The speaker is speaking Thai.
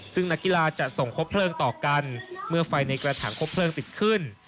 ซึ่งนักกีฬาจะส่งครบเพลิงต่อกันเมื่อไฟในกระถังคบเพลิงติดขึ้น